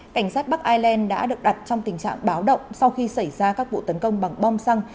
cảnh sát bắc ireland đã được đặt trong tình trạng báo động sau khi xảy ra các vụ tấn công bằng bom xăng